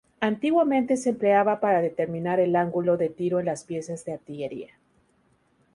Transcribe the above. Antiguamente se empleaba para determinar el ángulo de tiro en las piezas de artillería.